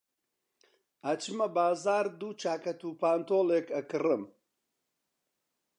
ئەچمە بازاڕ دوو چاکەت و پانتۆڵێک ئەکڕم.